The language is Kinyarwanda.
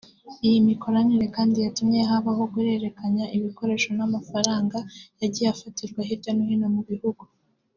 Iyi mikoranire kandi yatumye habaho guhererekanya ibikoresho n’amafaranga yagiye afatirwa hirya no hino mu bihugu